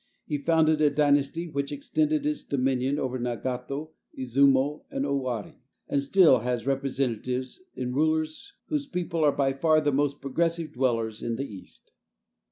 He founded a dynasty which extended its dominion over Nagato, Izumo, and Owari, and still has representatives in rulers whose people are by far the most progressive dwellers in the East.